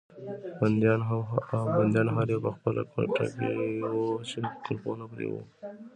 بندیان هر یو په خپله کوټه کې وو چې قلفونه پرې وو.